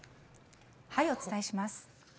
お伝えします。